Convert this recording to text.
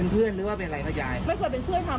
ถึงวันนี้ยังให้อยู่ไหม